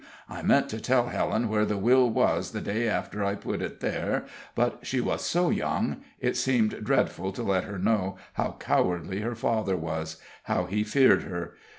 I meant to tell Helen where the will was the day after I put it there; but she was so young it seemed dreadful to let her know how cowardly her father was how he feared her.